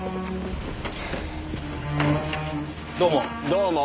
どうも。